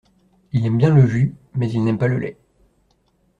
Il aime bien le jus mais il n’aime pas le lait.